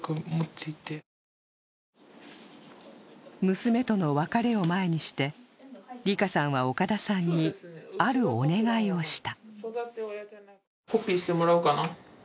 娘との別れを前にして、りかさんは岡田さんにあるお願いをした。